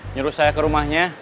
nyuruh saya ke rumahnya